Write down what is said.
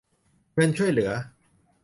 เงินช่วยเหลือ